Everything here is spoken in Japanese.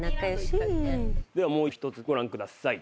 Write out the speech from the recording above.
ではもう一つご覧ください。